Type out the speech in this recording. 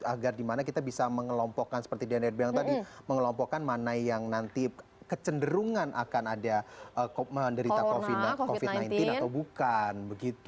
agar dimana kita bisa mengelompokkan seperti diana bilang tadi mengelompokkan mana yang nanti kecenderungan akan ada menderita covid sembilan belas atau bukan